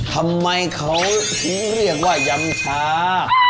ทำไมเขาถึงเรียกว่ายำชา